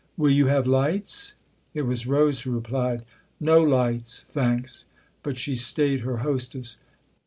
" Will you have lights ?" It was Rose who replied. "No lights, thanks." But she stayed her hostess.